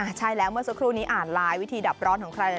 ใช่แล้วเมื่อสักครู่นี้อ่านไลน์วิธีดับร้อนของใคร